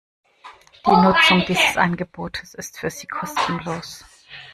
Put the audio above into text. Die Nutzung dieses Angebotes ist für Sie kostenlos.